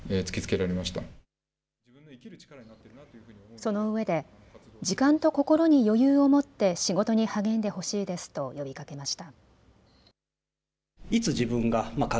そのうえで時間と心に余裕を持って仕事に励んでほしいですと呼びかけました。